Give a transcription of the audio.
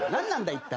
一体。